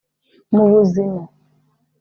mu buzima